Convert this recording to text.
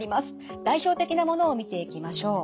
代表的なものを見ていきましょう。